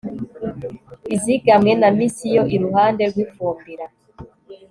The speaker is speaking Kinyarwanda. Izigamwe na Misiyoni iruhande rwifumbira